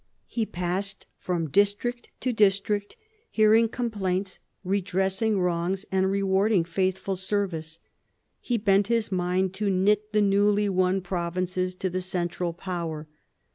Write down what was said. He passed from district to district hearing complaints, redressing wrongs, rewarding faithful service. He bent his mind to knit the newly won provinces to the central power.